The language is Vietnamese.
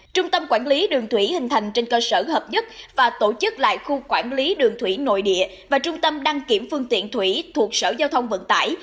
trung tâm quản lý đường thủy hình thành trên cơ sở hợp nhất và tổ chức lại khu quản lý đường thủy nội địa và trung tâm đăng kiểm phương tiện thủy thuộc sở giao thông vận tải